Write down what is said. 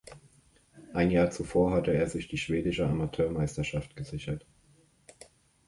Ein Jahr zuvor hatte er sich die Schwedische Amateurmeisterschaft gesichert.